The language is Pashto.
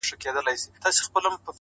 • ه زړه مي په سينه كي ساته ـ